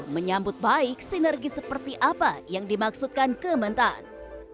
menyambut baik sinergi seperti apa yang dimaksudkan kementan